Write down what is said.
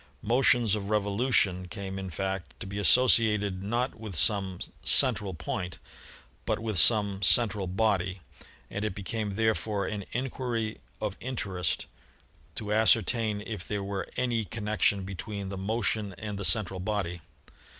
Motions of revolution came in fact to be associated not with some 'central point' but with some 'central body/ and it became therefore an inquiry of interest to ascertain if there were any connection between the motion and the central body.